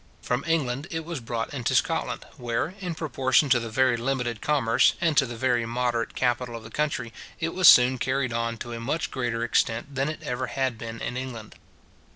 From England it was brought into Scotland, where, in proportion to the very limited commerce, and to the very moderate capital of the country, it was soon carried on to a much greater extent than it ever had been in England.